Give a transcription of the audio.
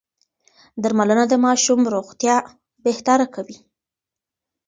درملنه د ماشوم روغتيا بهتره کوي.